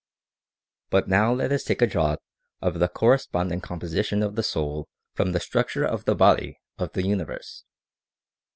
But now let us take a draught of the corresponding composition of the soul from the structure of the body of the universe.